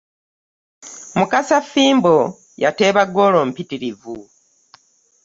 Mukasa Fimbo yateeba ggoolo mpitirivu.